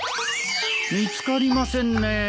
見つかりませんね。